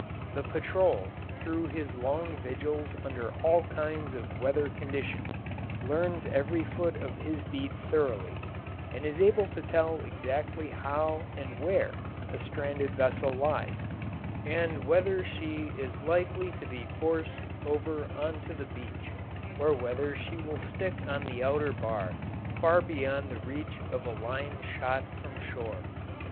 The patrol, through his long vigils under all kinds of weather conditions, learns every foot of his beat thoroughly, and is able to tell exactly how and where a stranded vessel lies, and whether she is likely to be forced over on to the beach or whether she will stick on the outer bar far beyond the reach of a line shot from shore.